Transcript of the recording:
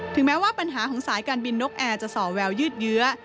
แม้ว่าปัญหาของสายการบินนกแอร์จะส่อแววยืดเยื้อ